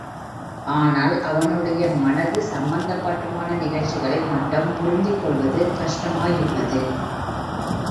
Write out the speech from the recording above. ஆனால், அவனுடைய மனது சம்பந்தமான நிகழ்ச்சிகளை மட்டும் புரிந்து கொள்வது கஷ்டமாயுள்ளது.